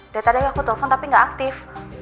dari tadanya aku telpon tapi gak aktif